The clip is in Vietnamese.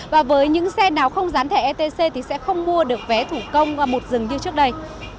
và với những xe nào không rán thẻ etc thì sẽ không mua được vé thủ công một dừng như trước đây